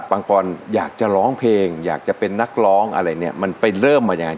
ปังปอนอยากจะร้องเพลงอยากจะเป็นนักร้องอะไรเนี่ยมันไปเริ่มมายังไง